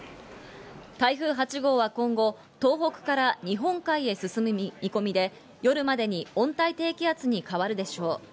台風８号は今後、東北から日本海へ進む見込みで、夜までに温帯低気圧に変わるでしょう。